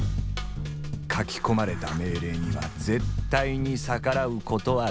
書き込まれた命令には絶対に逆らうことはできない。